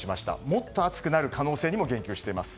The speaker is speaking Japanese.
もっと暑くなる可能性にも言及しています。